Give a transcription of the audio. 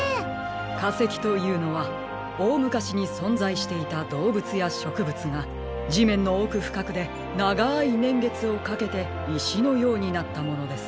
かせきというのはおおむかしにそんざいしていたどうぶつやしょくぶつがじめんのおくふかくでながいねんげつをかけていしのようになったものです。